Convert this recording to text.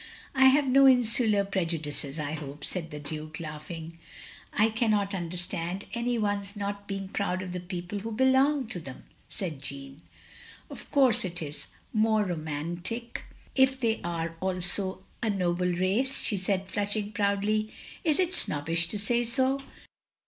"I have no insular prejudices, I hope," said the Duke, laughing. "I cannot understand any one's not being proud of the people who belong to them," said Jeanne. "Qf course it is — ^more romantic— 244 THE LONELY LADY if they are also — a. noble race, " she said flushing proudly. " Is it snobbish to say so?